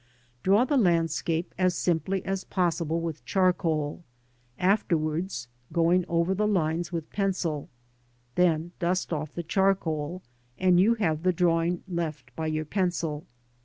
Draw the landscape as simply as possible with charcoal, after wards going over the lines with pencil ; then dust off the charcoal, and you have the drawing left by your pencil.